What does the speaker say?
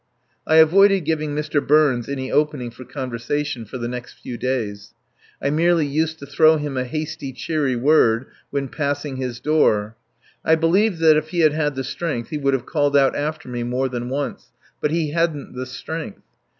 I avoided giving Mr. Burns any opening for conversation for the next few days. I merely used to throw him a hasty, cheery word when passing his door. I believe that if he had had the strength he would have called out after me more than once. But he hadn't the strength.